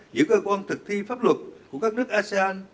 giữa cơ quan thực thi pháp luật của các nước asean